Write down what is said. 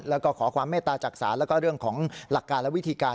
แล้วก็ขอความเมตตาจากศาลแล้วก็เรื่องของหลักการและวิธีการ